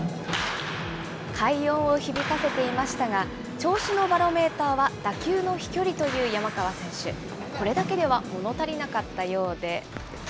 快音を響かせていましたが、調子のバロメーターは打球の飛距離という山川選手。これだけではもの足りなかったようで。